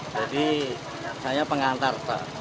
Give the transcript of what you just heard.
jadi saya pengantar